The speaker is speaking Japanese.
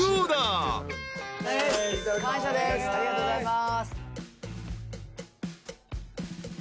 ありがとうございます。